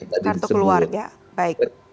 kartu keluarga baik